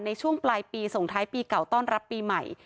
ในช่วงปลายปีส่งท้ายปีเก่าต้อนรับปีใหม่